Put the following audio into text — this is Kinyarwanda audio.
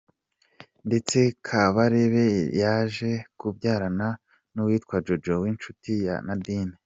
Ndetse Kabarebe yaje kubyarana n’uwitwa Jojo w’inshuti ya Nadine.